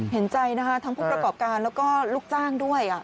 เห็นใจนะคะทั้งผู้ประกอบการแล้วก็ลูกจ้างด้วย